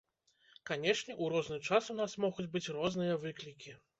Канешне, у розны час у нас могуць быць розныя выклікі.